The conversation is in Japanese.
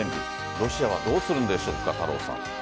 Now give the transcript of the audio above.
ロシアはどうするんでしょうか太郎さん。